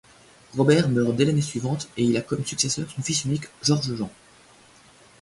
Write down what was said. Robert meurt dès l'année suivante et il a comme successeur son fils unique Georges-Jean.